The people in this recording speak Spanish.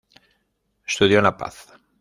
Estudió en La Paz.